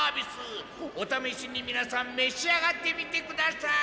おためしにみなさんめし上がってみてください！